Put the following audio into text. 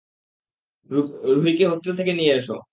রুহিকে hostel থেকে নিয়ে এসো।